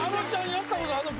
やったことあるの？